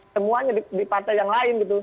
semuanya di partai yang lain gitu